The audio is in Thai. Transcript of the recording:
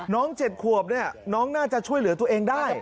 น้องเจ็ดขวบน่าจะช่วยเหลือตัวเองได้